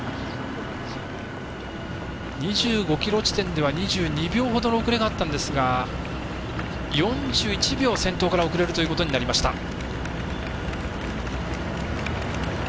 ２５ｋｍ地点では２２秒ほどの遅れがあったんですが４１秒先頭から遅れるということになりました。